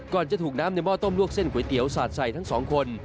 จะถูกน้ำในหม้อต้มลวกเส้นก๋วยเตี๋ยวสาดใส่ทั้งสองคน